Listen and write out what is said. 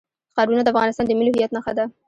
ښارونه د افغانستان د ملي هویت نښه ده.